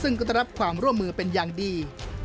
ซึ่งก็จะรับความร่วมมือเป็นอย่างดี